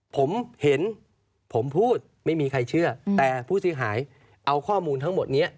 ผมเห็นผมพูดไม่มีใครเชื่อแต่ผู้เสียหายเอาข้อมูลทั้งหมดนี้